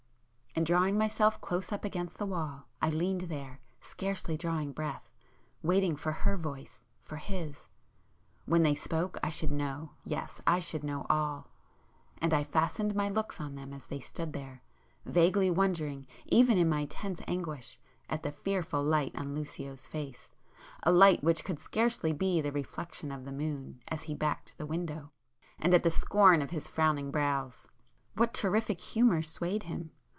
And, drawing myself close up against the wall, I leaned there, scarcely drawing breath, waiting for her voice,—for his;—when they spoke I should know,——yes, [p 360] I should know all! And I fastened my looks on them as they stood there,—vaguely wondering even in my tense anguish, at the fearful light on Lucio's face,—a light which could scarcely be the reflection of the moon, as he backed the window,—and at the scorn of his frowning brows. What terrific humour swayed him?